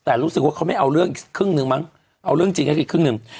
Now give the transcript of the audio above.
แต่รู้สึกว่าเขาไม่เอาเรื่องอีกครึ่งหนึ่งมั้งเอาเรื่องจริงให้อีกครึ่งหนึ่ง